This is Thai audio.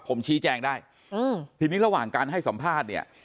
ผมชี้แจงได้อืมทีนี้ระหว่างการให้สัมภาษณ์เนี่ย